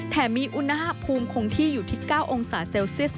แถมมีอุณหาภูมิคงที่อยู่ที่๙องศาเซลซิสต์